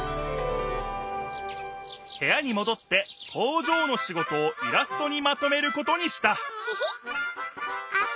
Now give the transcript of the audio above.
へやにもどって工場の仕事をイラストにまとめることにしたヘヘッ。